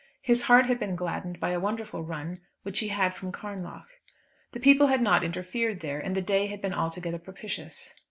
His heart had been gladdened by a wonderful run which he had had from Carnlough. The people had not interfered there, and the day had been altogether propitious.